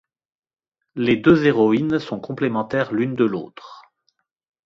Les deux héroïnes sont complémentaires l'une de l'autre.